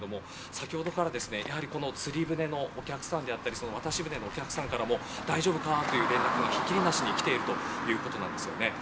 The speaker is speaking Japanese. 先ほどから、やはり釣り船のお客さんであったり渡し船のお客さんからも大丈夫かとひっきりなしに来ているということです。